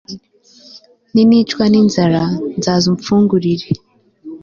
ninicwa n'inzara, nzaza umfungurire